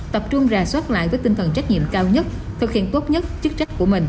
tập trung rà soát lại với tinh thần trách nhiệm cao nhất thực hiện tốt nhất chức trách của mình